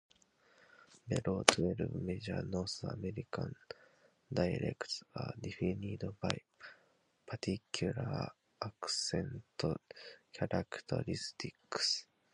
Below, twelve major North American dialects are defined by particular accent characteristics.